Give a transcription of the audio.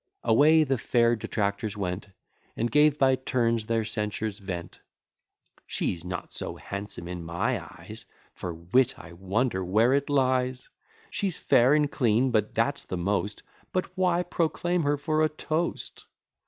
Away the fair detractors went, And gave by turns their censures vent. She's not so handsome in my eyes: For wit, I wonder where it lies! She's fair and clean, and that's the most: But why proclaim her for a toast?